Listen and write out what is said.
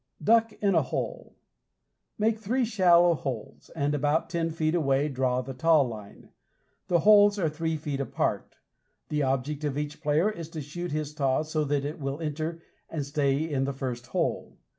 DUCK IN A HOLE Make three shallow holes, and about ten feet away draw the taw line. The holes are three feet apart. The object of each player is to shoot his taw so that it will enter and stay in the first hole.